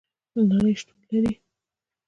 نړۍ شتون لري